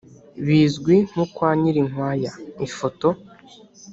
bizwi nko kwa Nyirinkwaya (Ifoto